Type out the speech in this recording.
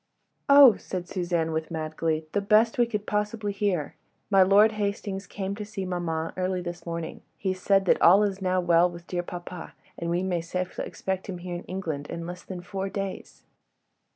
"Oh!" said Suzanne, with mad glee, "the best we could possibly hear. My Lord Hastings came to see maman early this morning. He said that all is now well with dear papa, and we may safely expect him here in England in less than four days."